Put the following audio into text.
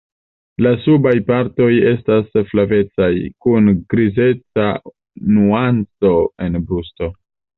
La subaj partoj estas flavecaj, kun grizeca nuanco en brusto.